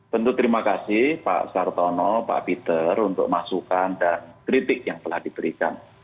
tentu terima kasih pak sartono pak peter untuk masukan dan kritik yang telah diberikan